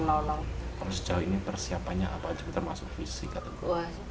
kalau sejauh ini persiapannya apa aja kita masuk fisik gitu